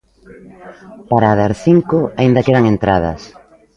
Para a das cinco aínda quedan entradas.